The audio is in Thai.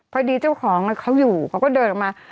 เจ้าของเขาอยู่เขาก็เดินออกมา